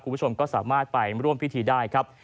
คุณผู้ชมก็สามารถไปร่วมพิธีได้ครับ